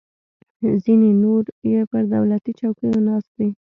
ځینې نور یې پر دولتي چوکیو ناست دي.